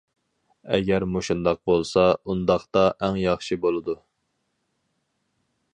ئەگەر مۇشۇنداق بولسا، ئۇنداقتا ئەڭ ياخشى بولىدۇ.